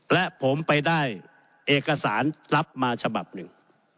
และผมไปได้เอกสารรับมาฉบับหนึ่ง